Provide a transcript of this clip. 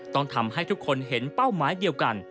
ต้องทำให้ทุกคนเห็นเป้าหมายเดียวกัน